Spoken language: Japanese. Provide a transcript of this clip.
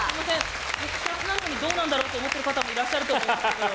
「特撮」なのにどうなんだろうと思ってる方もいらっしゃると思いますけど。